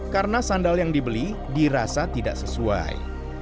karena sandal yang dibeli dirasa tidak sesuai